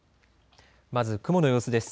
まず雲の様子です。